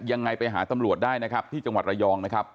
ยังไงไปหาตำรวจได้นะครับที่จังหวัดระยองนะครับ